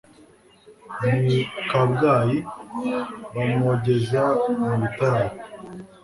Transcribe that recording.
N' i Kabgayi bamwogeza mu bitaramo.